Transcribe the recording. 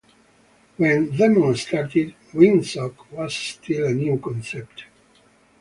When Demon started, WinSock was still a new concept.